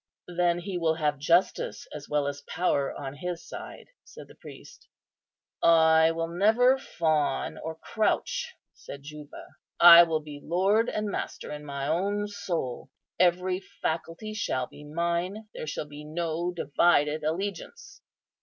"Then He will have justice as well as power on His side," said the priest. "I will never fawn or crouch," said Juba; "I will be lord and master in my own soul. Every faculty shall be mine; there shall be no divided allegiance."